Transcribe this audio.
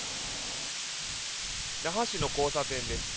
那覇市の交差点です。